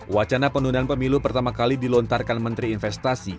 wacana penundaan pemilu pertama kali dilontarkan menteri investasi